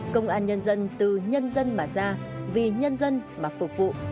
công an nhân dân từ nhân dân mà ra vì nhân dân mà phục vụ